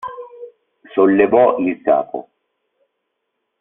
Sollevò il capo.